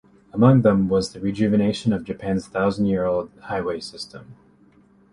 Among them was the rejuvenation of Japan's thousand-year-old highway system.